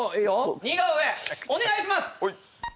似顔絵お願いします！